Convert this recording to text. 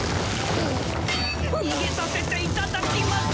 逃げさせていただきます。